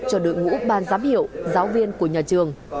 cho đội ngũ ban giám hiệu giáo viên của nhà trường